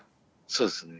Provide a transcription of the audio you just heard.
そうですね。